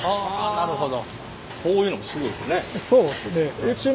なるほど。